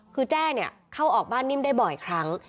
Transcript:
คือแจ้เนี่ยเข้าออกบ้านนิ่มได้บ่อยครั้ง